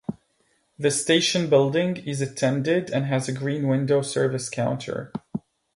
The station building is attended, and has a Green Window service counter.